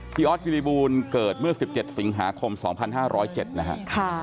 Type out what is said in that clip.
ออสคิริบูลเกิดเมื่อ๑๗สิงหาคม๒๕๐๗นะครับ